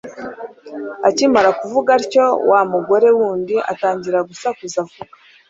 akimara kuvuga atyo, wa mugore wundi atangira gusakuza avuga